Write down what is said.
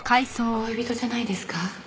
恋人じゃないですか？